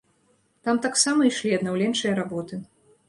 Там таксама ішлі аднаўленчыя работы.